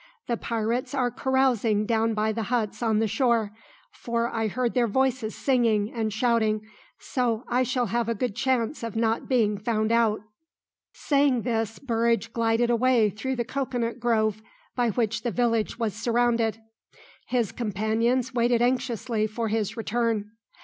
The pirates are carousing down by the huts on the shore, for I heard their voices singing and shouting, so I shall have a good chance of not being found out." Saying this Burridge glided away through the cocoanut grove by which the village was surrounded. His companions waited anxiously for his return.